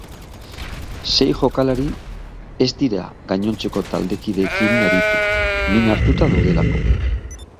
Sei jokalari ez dira gainontzeko taldekideekin aritu min hartuta daudelako.